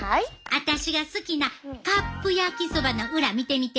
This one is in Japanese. あたしが好きなカップ焼きそばの裏見てみて。